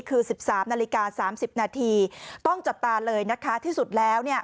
คือ๑๓๓๐นาทีต้องจัดตาเลยนะคะ